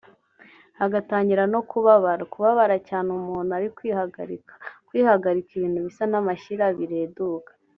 hagatangira no kubabaraKubabara cyane umuntu ari kwihagarikaKwihagarika ibintu bisa n’amashyira bireduka